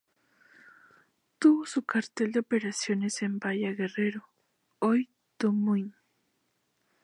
Tuvo su cuartel de operaciones en Villa Guerrero, hoy Tamuín.